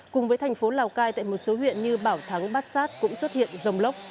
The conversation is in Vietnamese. cùng với thành phố lào cai tại một số huyện như bảo thắng bát sát cũng xuất hiện rông lốc